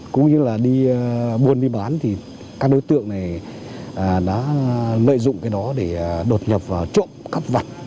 cũng như là buồn đi bán thì các đối tượng này đã lợi dụng cái đó để đột nhập vào trộm các vật